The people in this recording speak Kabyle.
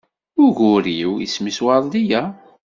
Ugur-iw isem-is Werdiya.